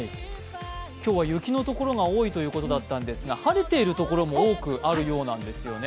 今日は雪の所が多いということだったんですが晴れている所も多くあるようなんですね。